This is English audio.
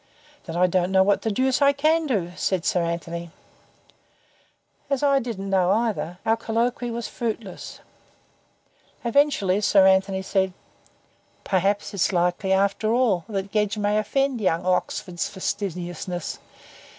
"Then, I don't know what the deuce I can do," said Sir Anthony. As I didn't know, either, our colloquy was fruitless. Eventually Sir Anthony said: "Perhaps it's likely, after all, that Gedge may offend young Oxford's fastidiousness.